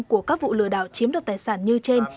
của các vụ lừa đảo chiếm đoạt tài sản như trên